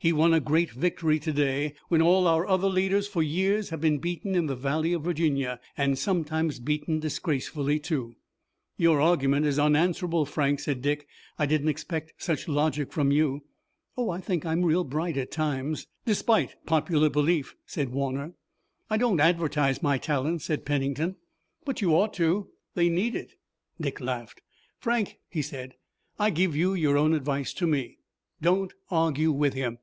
He won a great victory today, when all our other leaders for years have been beaten in the Valley of Virginia, and sometimes beaten disgracefully too." "Your argument is unanswerable, Frank," said Dick. "I didn't expect such logic from you." "Oh, I think I'm real bright at times." "Despite popular belief," said Warner. "I don't advertise my talents," said Pennington. "But you ought to. They need it." Dick laughed. "Frank," he said, "I give you your own advice to me. Don't argue with him.